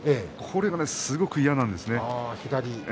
これがすごく嫌なんですね。